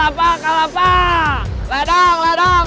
apa kamu jelasin bang